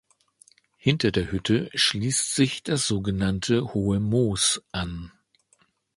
Hinter der Hütte schließt sich das sogenannte "Hohe Moos" an.